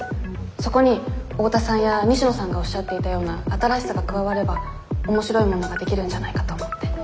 そこに大田さんや西野さんがおっしゃっていたような「新しさ」が加われば面白いものができるんじゃないかと思って。